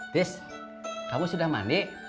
tis kamu sudah mandi